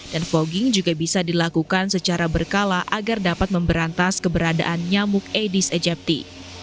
dan fogging juga bisa dilakukan secara berkala agar dapat memberantas keberadaan nyamuk aedes aegypti